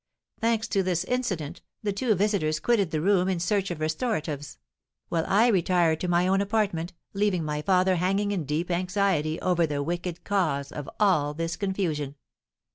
Thanks to this incident, the two visitors quitted the room in search of restoratives; while I retired to my own apartment, leaving my father hanging in deep anxiety over the wicked cause of all this confusion."